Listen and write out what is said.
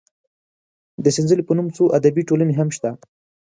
د سنځلې په نوم څو ادبي ټولنې هم شته.